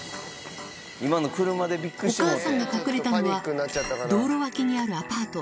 お母さんが隠れたのは、道路脇にあるアパート。